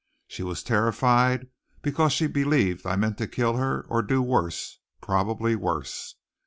She was terrified because she believed I meant to kill her, or do worse, probably worse.